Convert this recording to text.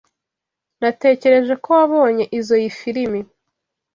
Natekereje ko wabonye izoi firime.